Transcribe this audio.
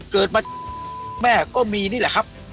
เกิดมาแม่ก็มีนี่แหละครับ